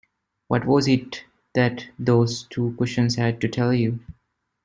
What was it that those two cushions had to tell you?